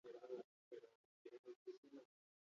Ustezko iruzurragatik ikertzen ari dira enpresa.